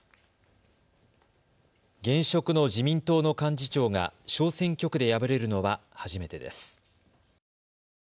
現職の自民党の幹事長が小選挙区で敗れるのは初めてです。